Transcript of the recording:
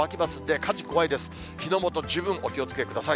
火の元、十分お気をつけください。